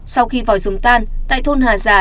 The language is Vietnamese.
sau khi vòi dòng tan tại thôn hà già